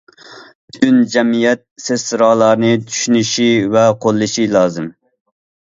پۈتۈن جەمئىيەت سېسترالارنى چۈشىنىشى ۋە قوللىشى لازىم.